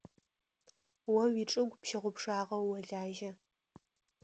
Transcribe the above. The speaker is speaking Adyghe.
О уичӏыгу пщыгъупшагъэу олажьэ.